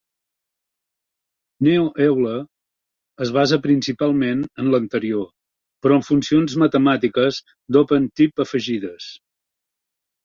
Neo Euler es basa principalment en l'anterior, però amb funcions matemàtiques d'OpenType afegides.